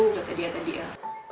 kata dia tadi ya